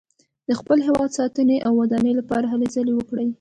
د خپل هېواد ساتنې او ودانۍ لپاره هلې ځلې وکړو.